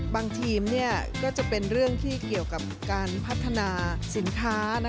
บางทีมก็จะเป็นเรื่องที่เกี่ยวกับการพัฒนาสินค้า